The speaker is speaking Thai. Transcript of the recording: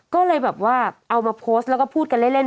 ก็เลยแบบว่าเอามาโพสต์แล้วก็พูดกันเล่น